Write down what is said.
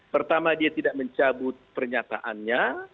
pertama dia tidak mencabut pernyataannya